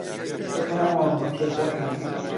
بۆ تۆ نهماوم کچێ خۆشناو